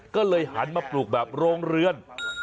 ก็เลยหันมาปลูกแบบโรงเรือน